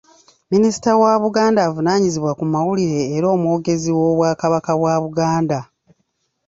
Minisita wa Buganda avunaanyizibwa ku mawulire era omwogezi w’Obwakabaka bwa Buganda.